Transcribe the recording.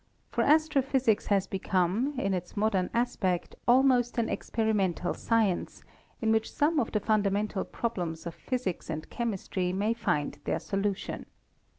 For astrophysics has become, in its most modern aspect, al most an experimental science, in which some of the funda mental problems of physics and chemistry may find their solution.